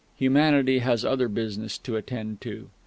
Humanity has other business to attend to.